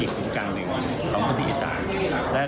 อีกกลุ่มกลางหนึ่งของพวกพี่อีสาน